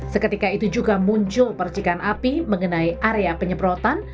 seketika itu juga muncul percikan api mengenai area penyebrotan